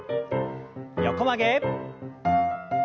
横曲げ。